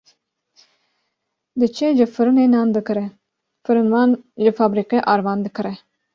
diçe ji firinê nan dikire, firinvan ji febrîqê arvan dikire.